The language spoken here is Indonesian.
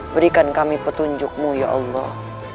berikan kami petunjukmu ya allah